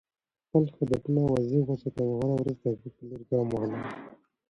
خپل هدفونه واضح وساته او هره ورځ د هغې په لور ګام واخله.